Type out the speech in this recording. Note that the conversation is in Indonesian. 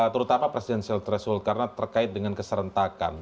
terutama presidential threshold karena terkait dengan keserentakan